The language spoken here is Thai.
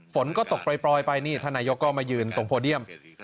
ฝนก็ตกปล่อยไปนี่ท่านนายกก็มายืนตรงโพเดียม